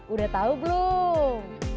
udah tau belum